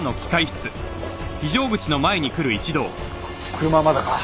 車はまだか？